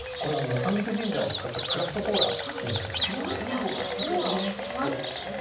三陸ジンジャーを使ったクラフトコーラでございます。